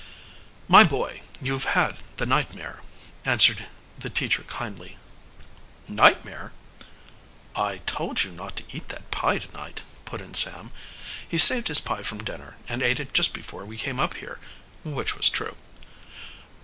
"My boy, you've had the nightmare," answered the teacher kindly. "Nightmare!" "I told you not to eat that pie tonight," put in Sam. "He saved his pie from dinner, and ate it just before we came up here," which was true.